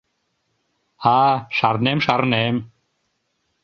— А-а, шарнем, шарнем.